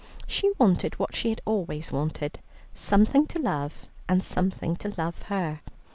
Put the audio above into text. She wanted what she had always wanted, something to love and something to love her.